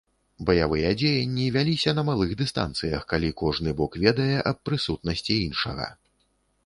Баявыя дзеянні вяліся на малых дыстанцыях, калі кожны бок ведае аб прысутнасці іншага.